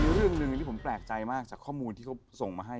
เรื่องหนึ่งที่ผมแปลกใจมากจากข้อมูลที่เขาส่งมาให้